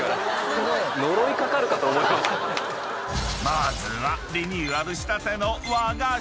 ［まずはリニューアルしたての］